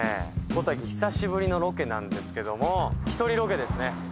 小瀧久しぶりのロケなんですけども１人ロケですね